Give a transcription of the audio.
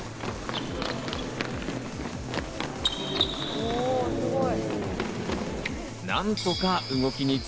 お、すごい。